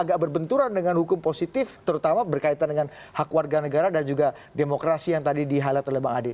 agak berbenturan dengan hukum positif terutama berkaitan dengan hak warga negara dan juga demokrasi yang tadi di highlight oleh bang adi